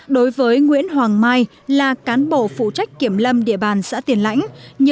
đối với nguyễn hoàng mai là cán bộ phụ trách kiểm lâm địa bàn